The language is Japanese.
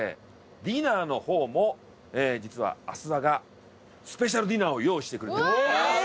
ディナーの方も実は阿諏訪がスペシャルディナーを用意してくれてる。